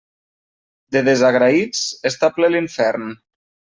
De desagraïts està ple l'infern.